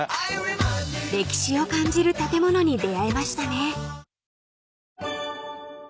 ［歴史を感じる建物に出合えましたね］